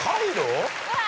うわ。